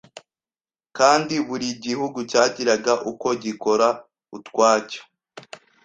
Kandi buri gihugu cyagiraga uko gikora utwacyo.